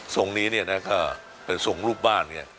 ทรงนี้เนี่ยนะก็ไปส่งรูปบ้านเนี่ย